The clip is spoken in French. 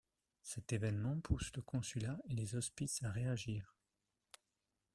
Cet évènement pousse le Consulat et les Hospices à réagir.